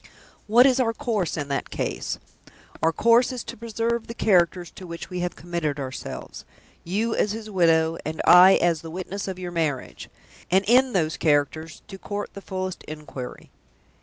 What is our course in that case? Our course is to preserve the characters to which we have committed ourselves you as his widow, and I as the witness of your marriage and, in those characters, to court the fullest inquiry.